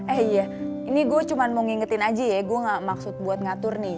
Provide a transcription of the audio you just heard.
eh iya ini gue cuma mau ngingetin aja ya gue gak maksud buat ngatur nih